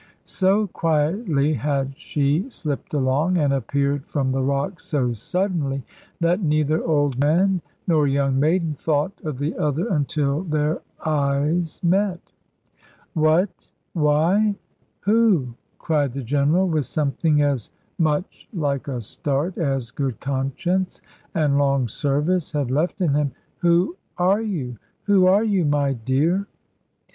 So quietly had she slipped along, and appeared from the rocks so suddenly, that neither old man nor young maiden thought of the other until their eyes met. "What, why, who?" cried the General, with something as much like a start as good conscience and long service had left in him: "who are you? Who are you, my dear?"